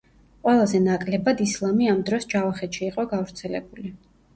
ყველაზე ნაკლებად ისლამი ამ დროს ჯავახეთში იყო გავრცელებული.